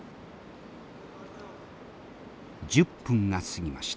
１０分が過ぎました。